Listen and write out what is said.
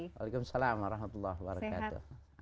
waalaikumsalam warahmatullahi wabarakatuh